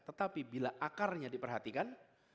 tetapi bila akarnya diperhatikan